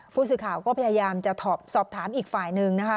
ผู้สื่อข่าวก็พยายามจะสอบถามอีกฝ่ายหนึ่งนะคะ